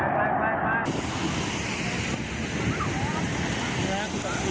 ชุดกระชากรากถูกันอยู่แบบนี้เป็นคลิปที่ถ่ายไว้โดยนักศึกษาวิชาทหาร